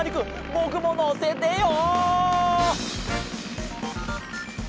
ぼくものせてよ！